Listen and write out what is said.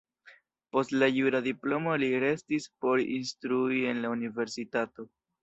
Post la jura diplomo li restis por instrui en la universitato.